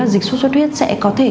dịch xuất huyết sẽ có thể